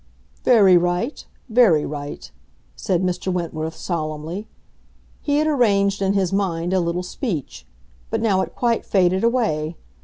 "Very right, very right," said Mr. Wentworth, solemnly. He had arranged in his mind a little speech; but now it quite faded away.